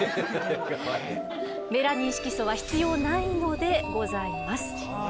メラニン色素は必要ないのでございます。